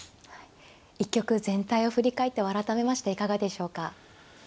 一局全体を振り返って改めましていかがでしょうか。